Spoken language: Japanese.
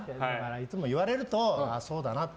いつも言われるとああそうだなって。